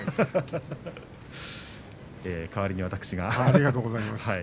ありがとうございます。